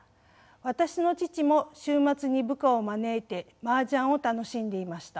私の父も週末に部下を招いてマージャンを楽しんでいました。